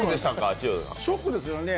ショックですよね。